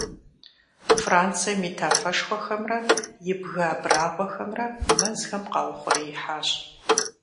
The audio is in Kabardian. Францием и тафэшхуэхэмрэ и бгы абрагъуэхэмрэ мэзхэм къаухъуреихьащ.